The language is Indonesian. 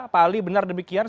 pak ali benar demikian